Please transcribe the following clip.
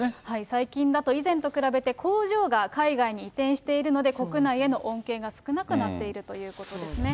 最近だと、以前と比べて工場が海外に移転しているので、国内への恩恵が少なくなっているということですね。